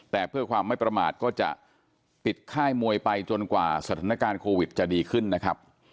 แต่เพื่อความไม่ประมาทก็จะปิดค่ายมวยไปจนกว่าสถานการณ์โควิดจะดีขึ้นนะครับ